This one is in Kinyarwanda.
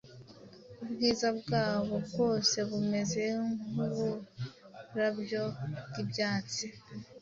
ubwiza bwabo bwose bumeze nk’uburabyo bw’ibyatsi.